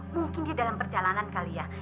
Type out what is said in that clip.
mungkin di dalam perjalanan kali ya